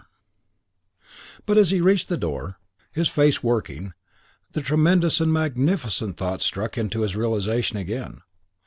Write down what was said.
IX But as he reached the door, his face working, the tremendous and magnificent thought struck into his realisation again.